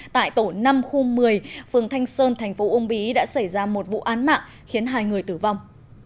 tại tổ năm khu một mươi phường thanh sơn thành phố uông bí đã xảy ra một vụ án mạng khiến hai người tử vong